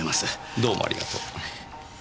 どうもありがとう。